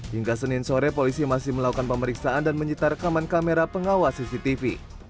hingga senin sore polisi masih melakukan pemeriksaan dan menyita rekaman kamera pengawas cctv